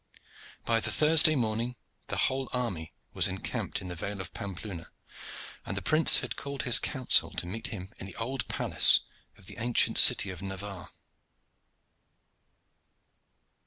By the Thursday morning the whole army was encamped in the Vale of Pampeluna, and the prince had called his council to meet him in the old palace of the ancient city of Navarre.